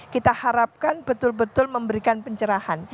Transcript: kita harapkan betul betul memberikan pencerahan